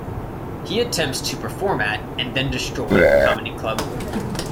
He attempts to perform at, and then destroy, a comedy club.